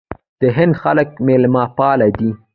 د هند خلک میلمه پال دي.